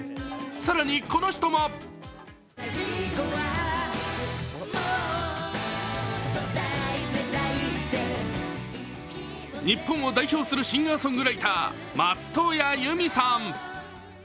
更に、この人も日本を代表するシンガーソングライター、松任谷由実さん。